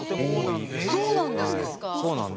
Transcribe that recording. そうなんですか！